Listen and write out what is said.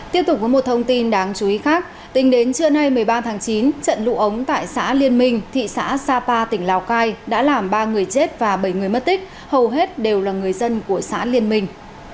tiếp tục với một thông tin đáng chú ý khác tính đến trưa nay một mươi ba tháng chín trận lụ ống tại xã liên minh thị xã sapa tỉnh lào cai đã làm ba người chết và bảy người mất tích hầu hết đều là người dân của xã liên minh